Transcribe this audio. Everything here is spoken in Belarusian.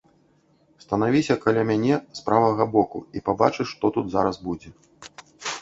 Станавіся каля мяне з правага боку і пабачыш, што тут зараз будзе.